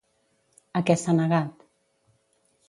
A què s'ha negat?